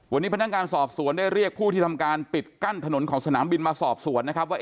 วันนี้พนักงานสอบสวนได้เรียกผู้ที่ทำการปิดกั้นถนนของสนามบินมาสอบสวนนะครับว่า